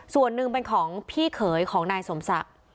ส่วนหนึ่งเป็นของพี่เขยของนายสมศักดิ์